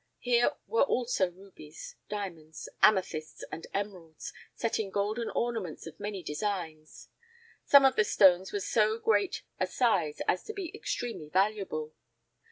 Here were also rubies, diamonds, amethysts and emeralds, set in golden ornaments of many designs. Some of the stones were of so great a size as to be extremely valuable.